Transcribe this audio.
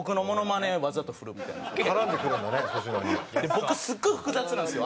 僕すごい複雑なんですよ。